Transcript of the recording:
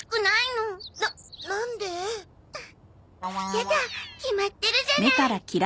ななんで？やだ決まってるじゃない。